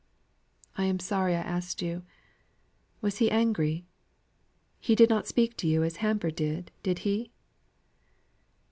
"I am sorry I asked you. Was he angry? He did not speak to you as Hamper did, did he?"